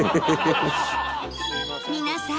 皆さん